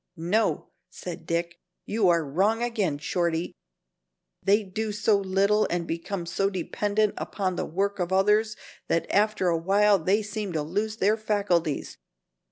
"No," said Dick, "you are wrong again, Shorty. They do so little and become so dependent upon the work of others that after a while they seem to lose their faculties.